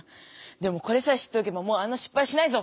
でもこれさえ知っておけばもうあんなしっぱいしないぞ！